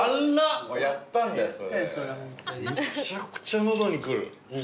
めちゃくちゃ喉にくる。